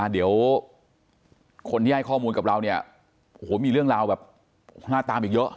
เดี๋ยวคนที่ให้ข้อมูลกับเราเนี่ยโอ้โหมีเรื่องราวแบบน่าตามอีกเยอะ